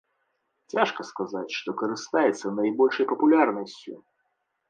Цяжка сказаць, што карыстаецца найбольшай папулярнасцю.